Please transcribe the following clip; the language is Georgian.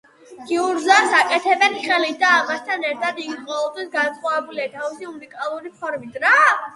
გიურზას აკეთებენ ხელით და ამასთან ერთად იგი ყოველთვის განსხვავებულია თავისი უნიკალური ფორით.